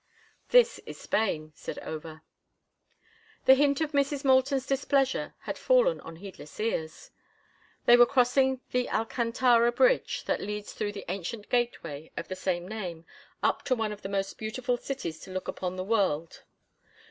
"This is Spain," said Over. The hint of Mrs. Moulton's displeasure had fallen on heedless ears. They were crossing the Alcantara Bridge that leads through the ancient gateway of the same name up to one of the most beautiful cities to look upon in the world.